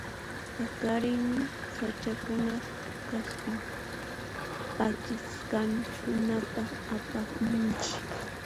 Paqarinmi sach'akunaq k'aspin p'akisqakunata apamunki.